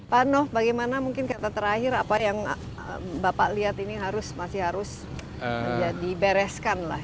pak noh bagaimana mungkin kata terakhir apa yang bapak lihat ini masih harus dibereskan lah